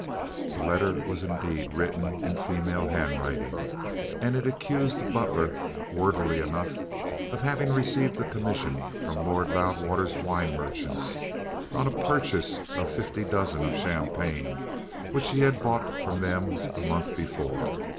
The letter was indeed written in female handwriting, and it accused the butler, wordily enough, of having received a commission from Lord Loudwater's wine merchants on a purchase of fifty dozen of champagne which he had bought from them a month before.